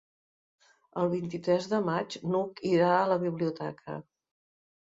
El vint-i-tres de maig n'Hug irà a la biblioteca.